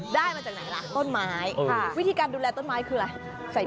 มาจากไหนล่ะต้นไม้วิธีการดูแลต้นไม้คืออะไร